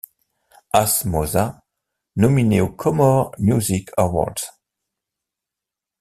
Hass Mosa nominé aux Comores Music Awards.